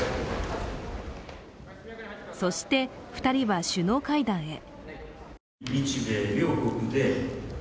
そして、２人は首脳会談へ。